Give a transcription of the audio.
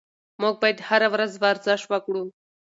موږ باید هره ورځ ورزش وکړو.